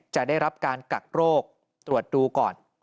จะได้รับการกักโรคตรวจดูก่อน